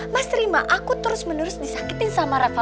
mas terima aku terus menerus disakitin sama rafael